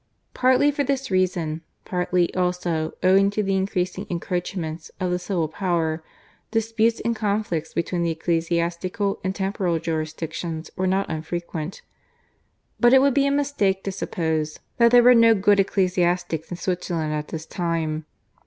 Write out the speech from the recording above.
Partly for this reason, partly, also, owing to the increasing encroachments of the civil power, disputes and conflicts between the ecclesiastical and temporal jurisdictions were not unfrequent. But it would be a mistake to suppose that there were no good ecclesiastics in Switzerland at this time.